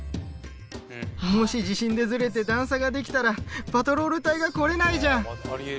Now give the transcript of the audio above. もし地震でズレて段差ができたらパトロール隊が来れないじゃん。